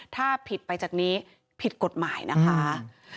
ถ้าผิดไปจากนี้ผิดกฎหมายนะคะ